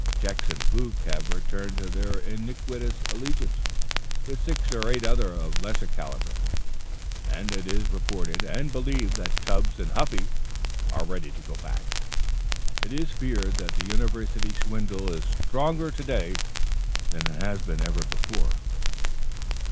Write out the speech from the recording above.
Jex and Fluke have returned to their iniquitous allegiance, with six or eight others of lesser calibre, and it is reported and believed that Tubbs and Huffy are ready to go back. It is feared that the University swindle is stronger to day than it has ever been before."